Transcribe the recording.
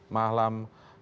mahlam keren banget